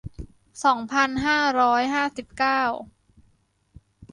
สองพันห้าร้อยห้าสิบเก้า